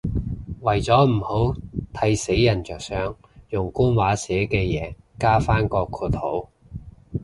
為咗唔好睇死人着想，用官話寫嘅嘢加返個括號